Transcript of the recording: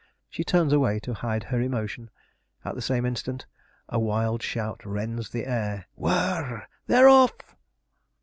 She turns away to hide her emotion; at the same instant a wild shout rends the air 'W h i r r! They're off!'